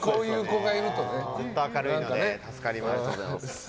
ずっと明るいので助かります。